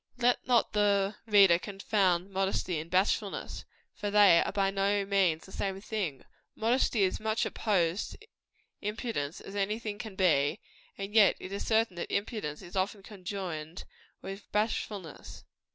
Let not the reader confound modesty and bashfulness; for they are by no means the same thing. Modesty is as much opposed to impudence as any thing can be; and yet it is certain that impudence is often conjoined with bashfulness.